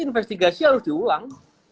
investigasi harus diulang